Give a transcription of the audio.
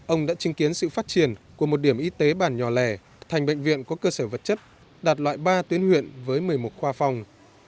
ông đã chứng kiến sự phát triển của một điểm y tế bản nhỏ lẻ thành bệnh viện có cơ sở vật chất đạt loại ba tuyến huyện với một mươi một khoa phòng